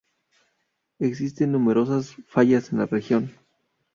Existen numerosas fallas en la región.